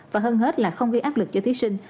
và hơn hết là không gây áp lực cho thí sinh